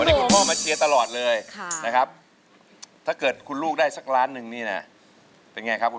นี่คุณพ่อมาเชียร์ตลอดเลยนะครับถ้าเกิดคุณลูกได้สักล้านหนึ่งนี่นะเป็นไงครับคุณ